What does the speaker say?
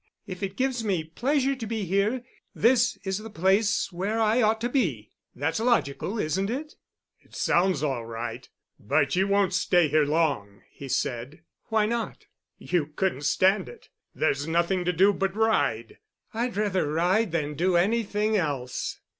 If it gives me pleasure to be here, this is the place where I ought to be. That's logical, isn't it?" "It sounds all right. But you won't stay here long," he said. "Why not?" "You couldn't stand it. There's nothing to do but ride." "I'd rather ride than do anything else."